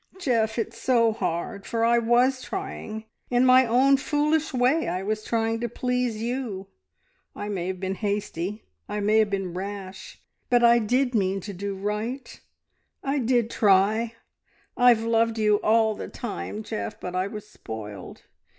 "Geoff, it's so hard, for I was trying! In my own foolish way I was trying to please, you. I may have been hasty, I may have been rash, but I did mean to do right. I did try! I've loved you all the time, Geoff, but I was spoiled.